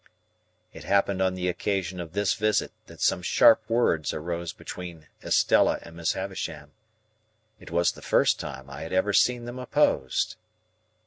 It happened on the occasion of this visit that some sharp words arose between Estella and Miss Havisham. It was the first time I had ever seen them opposed.